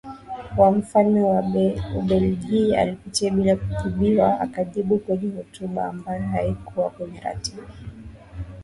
wa Mfalme wa Ubeligiji upite bila kujibiwa Akajibu kwenye Hotuba ambayo haikuwa kwenye ratiba